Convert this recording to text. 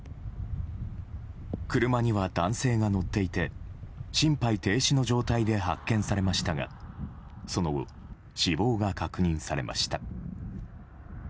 車には男性が乗っていて心肺停止の状態で発見されましたがその後、死亡が確認されました。